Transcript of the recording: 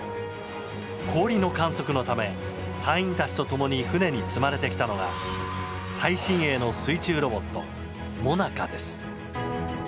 氷の観測のため隊員たちと共に船に積まれてきたのが最新鋭の水中ロボットＭＯＮＡＣＡです。